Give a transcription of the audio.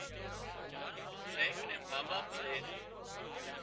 زين ڪنين ما ٻاپ سي